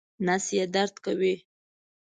نس یې درد کوي